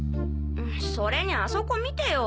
それにあそこ見てよ！